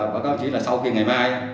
có cáo chí là sau khi ngày mai